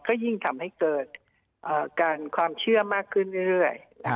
ก็ยิ่งทำให้เกิดการความเชื่อมากขึ้นเรื่อย